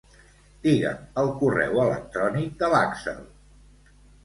Digue'm el correu electrònic de l'Àxel.